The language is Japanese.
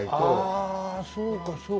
ああそうかそうか。